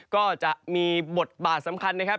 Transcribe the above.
ก็จะมีบทบาทสำคัญนะครับ